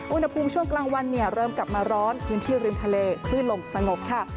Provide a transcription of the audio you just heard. อุณหภูมิช่วงกลางวันเนี่ยเริ่มกลับมาร้อนพื้นที่ริมทะเลคลื่นลมสงบค่ะ